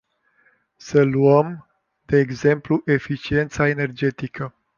Să luăm, de exemplu, eficiența energetică.